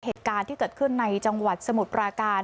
เหตุการณ์ที่เกิดขึ้นในจังหวัดสมุทรปราการ